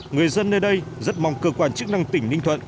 người dân nơi đây rất mong cơ quan chức năng tỉnh ninh thuận